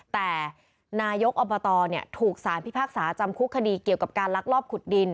แต่นายกอบตถูกสารพิพากษาจำคุกคดีเกี่ยวกับการลักลอบขุดดิน